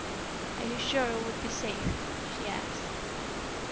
"Are you sure it would be safe?" she asked.